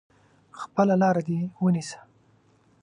خپله لار دي ونیسه !